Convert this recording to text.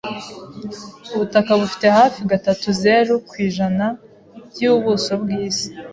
Ubutaka bufite hafi gatatuzeru ku ijana by'ubuso bw'isi.